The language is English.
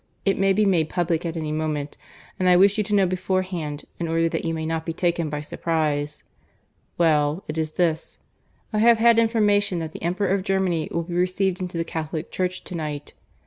It may be made public at any moment, and I wish you to know beforehand in order that you may not be taken by surprise. Well, it is this. I have had information that the Emperor of Germany will be received into the Catholic Church to night.